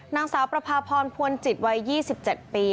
นางสาวประพาพรพวนจิตวัย๒๗ปี